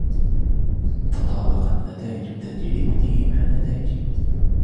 تطابقت نتائج تجربته مع نتائجي.